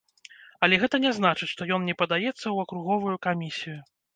Але гэта не значыць, што ён не падаецца ў акруговую камісію.